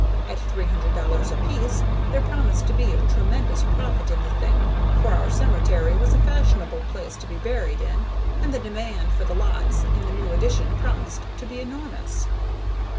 At $300 apiece there promised to be a tremendous profit in the thing, for our cemetery was a fashionable place to be buried in and the demand for the lots in the new addition promised to be enormous.